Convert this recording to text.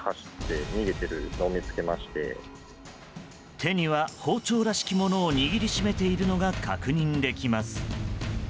手には包丁らしきものを握りしめているのが確認できます。